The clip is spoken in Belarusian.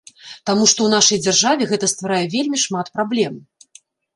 Таму што ў нашай дзяржаве гэта стварае вельмі шмат праблем.